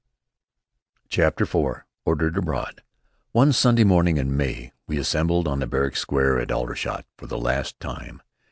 CHAPTER IV ORDERED ABROAD One Sunday morning in May we assembled on the barrack square at Aldershot for the last time.